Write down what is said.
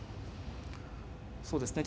そうですね。